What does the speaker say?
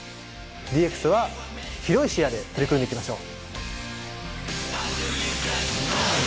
ＤＸは広い視野で取り組んでいきましょう。